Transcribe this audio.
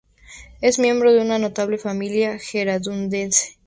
Es miembro de una notable familia gerundense.